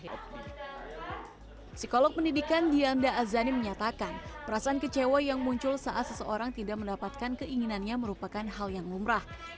psikolog pendidikan dianda azani menyatakan perasaan kecewa yang muncul saat seseorang tidak mendapatkan keinginannya merupakan hal yang lumrah